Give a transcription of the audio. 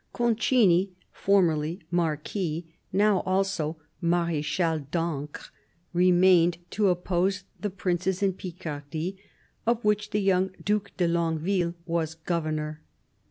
Concini — formerly Marquis, now also Marechal d'Ancre — remained to oppose the princes in Picardy, of which the young Due de Longueville was governor.